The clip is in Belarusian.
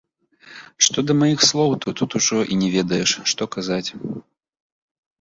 Што да маіх слоў, то тут ужо і не ведаеш, што казаць.